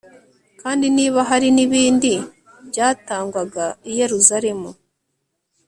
kandi niba hari n'ibindi byatangwaga i yeruzalemu